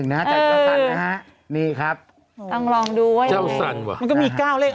นี่ครับต้องลองดูมันก็มี๙เลข